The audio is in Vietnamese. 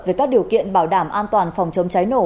về các điều kiện bảo đảm an toàn phòng chống cháy nổ